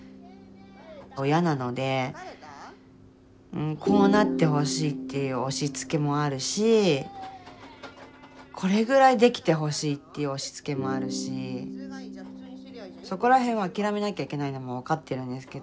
親なのでこうなってほしいっていう押しつけもあるしこれぐらいできてほしいっていう押しつけもあるしそこらへんは諦めなきゃいけないのも分かってるんですけど。